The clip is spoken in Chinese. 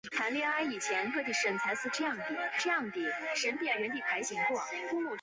酷儿研究现在在很多大学都是一个学科项目。